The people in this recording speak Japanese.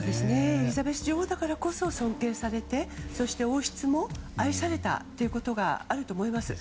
エリザベス女王だからこそ尊敬されてそして王室も愛されたということがあると思います。